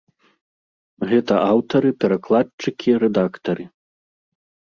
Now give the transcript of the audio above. Гэта аўтары, перакладчыкі, рэдактары.